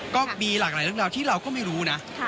ก็มีหลากหลายเรื่องราวที่เราก็ไม่รู้นะ